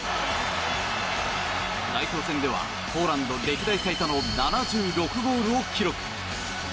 代表戦ではポーランド歴代最多の７６ゴールを記録。